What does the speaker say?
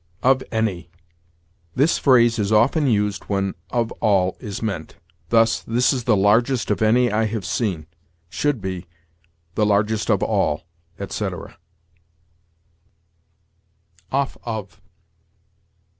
OF ANY. This phrase is often used when of all is meant; thus, "This is the largest of any I have seen." Should be, "the largest of all," etc. OFF OF.